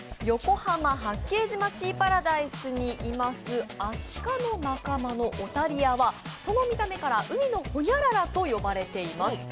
横浜・八景島シーパラダイスにいますアシカの仲間のオタリアはその見た目から、海のほにゃららと呼ばれています。